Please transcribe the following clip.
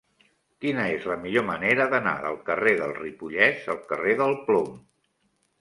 Quina és la millor manera d'anar del carrer del Ripollès al carrer del Plom?